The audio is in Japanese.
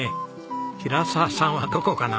平澤さんはどこかな？